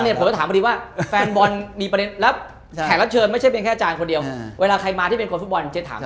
ผมก็ถามพอดีว่าแฟนบอลมีประเด็นแล้วแขกรับเชิญไม่ใช่เป็นแค่อาจารย์คนเดียวเวลาใครมาที่เป็นคนฟุตบอลเจ๊ถาม